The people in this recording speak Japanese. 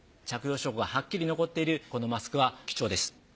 着用証拠がはっきり残っているこのマスクは貴重です。